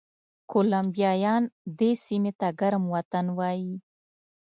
کولمبیایان دې سیمې ته ګرم وطن وایي.